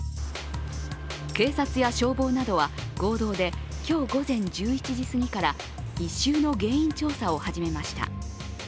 警察や消防などは合同で今日午前１１時すぎから異臭の原因調査を始めました。